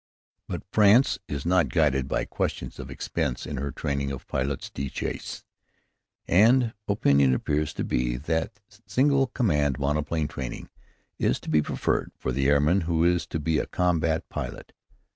But France is not guided by questions of expense in her training of pilotes de chasse, and opinion appears to be that single command monoplane training is to be preferred for the airman who is to be a combat pilot.